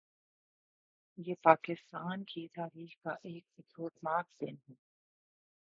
یہ پاکستان کی تاریخ کا ایک افسوسناک دن ہے